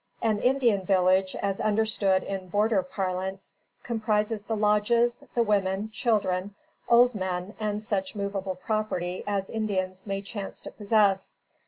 An Indian village, as understood in border parlance, comprises the lodges, the women, children, old men, and such movable property as Indians may chance to possess.